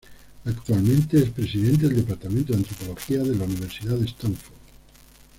Actualmente es presidente del Departamento de Antropología de la Universidad de Stanford.